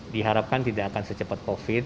diharapkan tidak akan secepat covid